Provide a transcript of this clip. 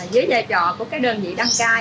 dưới lựa chọn của đơn vị đăng cai